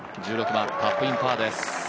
１６番、タップインパーです。